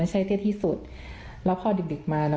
มีแต่เสียงตุ๊กแก่กลางคืนไม่กล้าเข้าห้องน้ำด้วยซ้ำ